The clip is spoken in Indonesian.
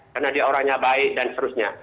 karena dia orangnya baik dan seterusnya